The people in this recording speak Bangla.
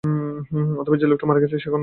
অথবা যে লোকটা মারা গিয়েছে সে কর্ণ না।